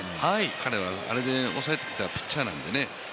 彼はあれで抑えてきたピッチャーなんでね。